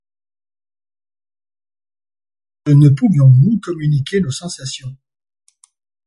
Ah ! que ne pouvions-nous communiquer nos sensations !